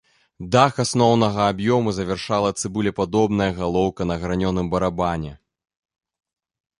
Дах асноўнага аб'ёму завяршала цыбулепадобная галоўка на гранёным барабане.